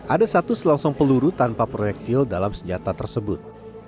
ada satu selongsong peluru tanpa proyektil dalam senjata tersebut